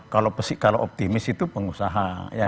kalau pesik kalau optimis itu pengusaha